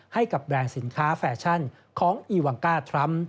แบรนด์สินค้าแฟชั่นของอีวังก้าทรัมป์